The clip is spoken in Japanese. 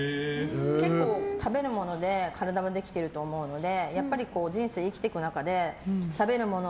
結構食べるもので体はできていると思うのでやっぱり人生、生きていく中で食べるもの